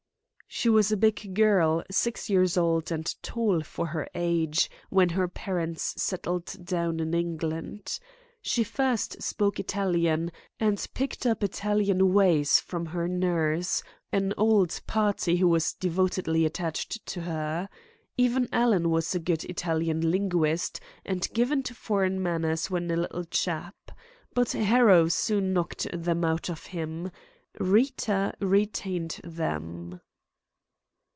"She was a big girl, six years old, and tall for her age, when her parents settled down in England. She first spoke Italian, and picked up Italian ways from her nurse, an old party who was devotedly attached to her. Even Alan was a good Italian linguist, and given to foreign manners when a little chap. But Harrow soon knocked them out of him. Rita retained them."